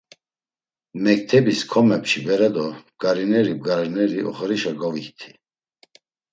Mektebis komepçi bere do bgareri bgareri oxorişe govikti.